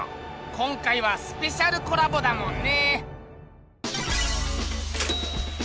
今回はスペシャルコラボだもんね。